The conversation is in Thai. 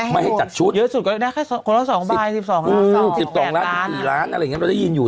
ไม่ให้จัดชุดเยอะสุดก็ได้แค่คนละสองบายสิบสองล้านสองสิบสองล้านสิบสี่ล้านอะไรอย่างงี้เราได้ยินอยู่